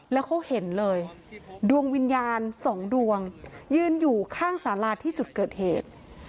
แล้วเขาเห็นเลยดวงวิญญาณสองดวงยืนอยู่ข้างสาราที่จุดเกิดเหตุ